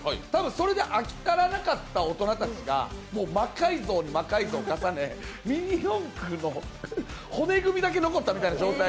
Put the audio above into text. それで飽き足らなかった大人たちがもう魔改造に魔改造を重ねてミニ四駆の骨組みだけ残った状態。